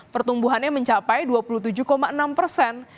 pertumbuhannya mencapai dua puluh tujuh enam persen